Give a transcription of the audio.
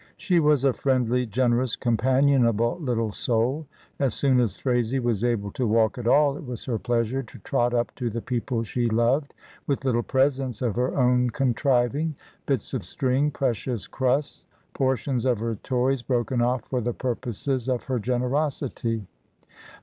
She was a friendly, generous, companionable little soul. As soon as Phraisie was able to walk at all, it was her pleasure to trot up to the people she loved with little presents of her own contriving, bits of string, precious crusts, portions of her toys, broken off for the purposes of her generosity.